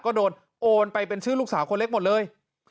ก็โดนโอนไปเป็นชื่อลูกสาวคนเล็กหมดเลย